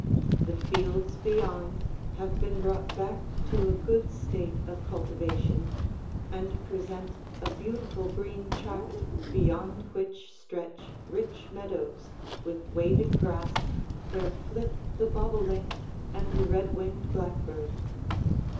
The fields beyond have been brought back to a good state of cultivation and present a beautiful green tract beyond which stretch rich meadows with waving grass where flit the bobolink and the red winged blackbird.